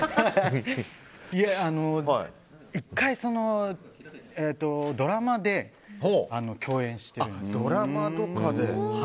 １回、ドラマで共演してるんです。